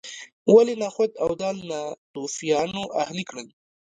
ولې نخود او دال ناتوفیانو اهلي کړل.